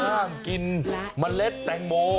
ห้ามกินเมล็ดแตงโม